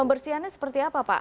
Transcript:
pembersihannya seperti apa pak